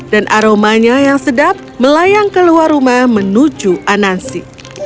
dan aromanya yang sedap melayang keluar rumah menuju anansi